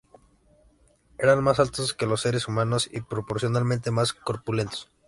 Eran más altos que los seres humanos, y proporcionalmente más corpulentos.